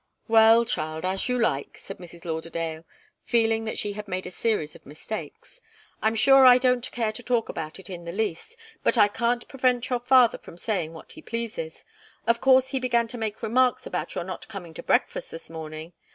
"Well, child as you like," said Mrs. Lauderdale, feeling that she had made a series of mistakes. "I'm sure I don't care to talk about it in the least, but I can't prevent your father from saying what he pleases. Of course he began to make remarks about your not coming to breakfast this morning.